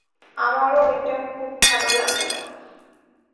আমারও খুব একটা ভালো লাগে না।